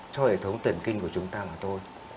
cho hệ thống tiền kinh của chúng ta mà thôi